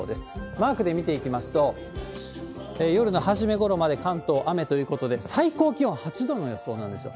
マークで見ていきますと、夜の初めごろまで関東、雨ということで、最高気温８度の予想なんですよ。